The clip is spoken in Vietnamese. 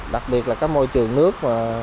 đặc biệt là môi trường nước